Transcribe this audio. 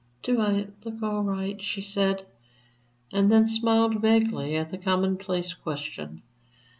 "Do I look all right?" she said, and then smiled vaguely at the commonplace question.